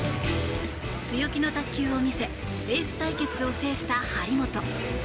強気の卓球を見せエース対決を制した張本。